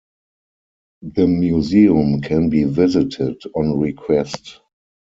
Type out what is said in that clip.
The museum can be visited on request.